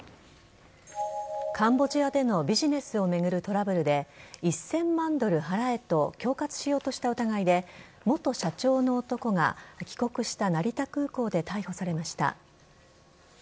カンボジアでのビジネスを巡るトラブルで１０００万ドル払えと恐喝しようとした疑いで元社長の男が帰国した成田空港で逮捕されました。